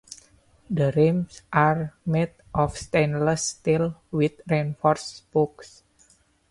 The rims are made of stainless steel with reinforced spokes.